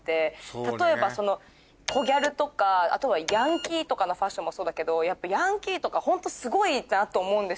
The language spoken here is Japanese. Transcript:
例えばコギャルとかヤンキーとかのファッションもそうだけどやっぱヤンキーとかホントすごいなと思うんですよ。